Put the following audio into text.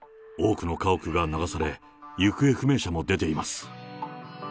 多くの家屋が流され、行方不明者も出ています。